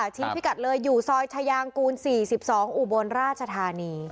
ชี้พิกัดเลยอยู่ซอยชายางกูล๔๒อุบลราชธานี